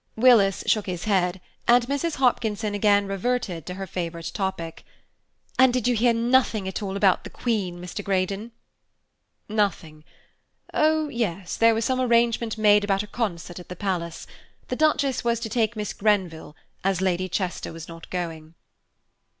Willis shook his head, and Mrs. Hopkinson again reverted to her favourite topic. "And did you hear nothing at all about the Queen, Mr. Greydon?" "Nothing. Oh yes! there was some arrangement made about a concert at the Palace. The Duchess was to take Miss Grenville, as Lady Chester was not going."